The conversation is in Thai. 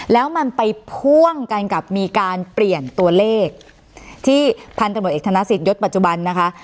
แล้วมันไปพ่วงกันกับมีการเปลี่ยนตัวเลขที่พันธบทเอกธนสิทธยศปัจจุบันนะคะ